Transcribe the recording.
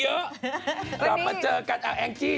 ตอนนี้เรามาเจอกันแองจี